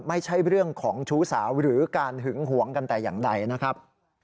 ไม่ใช่เรื่องของชู้สาวหรือการหึงหวงกันแต่อย่างใดนะครับ